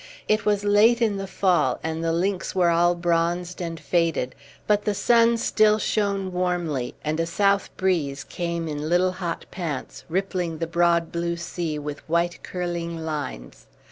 It was late in the fall, and the links were all bronzed and faded; but the sun still shone warmly, and a south breeze came in little hot pants, rippling the broad blue sea with white curling lines.